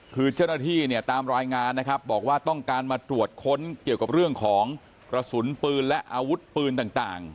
คือเจ้าหน้าที่เนี่ยตามรายงานนะครับบอกว่าต้องการมาตรวจค้นเกี่ยวกับเรื่องของกระสุนปืนและอาวุธปืนต่าง